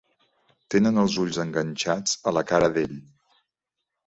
Tenen els ulls enganxats a la cara d'ell.